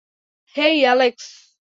হেই, Alex!